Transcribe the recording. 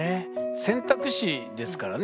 選択肢ですからね